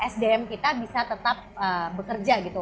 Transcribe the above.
sdm kita bisa tetap bekerja gitu